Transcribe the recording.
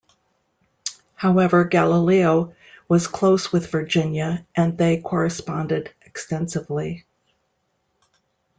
However, Galileo was close with Virginia, and they corresponded extensively.